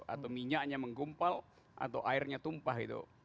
atau minyaknya menggumpal atau airnya tumpah itu